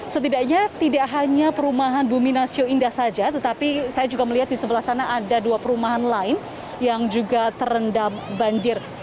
setidaknya tidak hanya perumahan bumi nasio indah saja tetapi saya juga melihat di sebelah sana ada dua perumahan lain yang juga terendam banjir